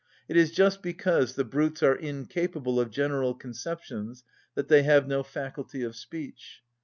It is just because the brutes are incapable of general conceptions that they have no faculty of speech.